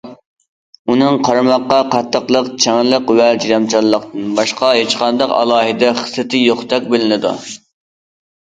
ئۇنىڭ قارىماققا قاتتىقلىق، چىڭلىق ۋە چىدامچانلىقتىن باشقا ھېچ قانداق ئالاھىدە خىسلىتى يوقتەك بىلىنىدۇ.